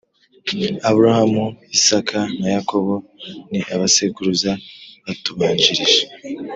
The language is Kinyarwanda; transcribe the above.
Aburahamu Isaka na Yakobo ni abasekuruza batubanjirije